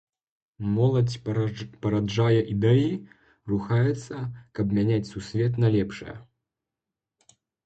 Моладзь параджае ідэі, рухаецца, каб мяняць сусвет на лепшае.